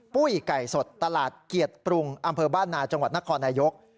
ปุ้ยไก่สดตลาดเกียรติปรุงอำเภอบ้านนาจังหวัดนครนายก